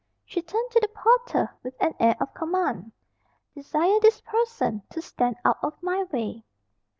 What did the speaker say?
She turned to the porter with an air of command. "Desire this person to stand out of my way."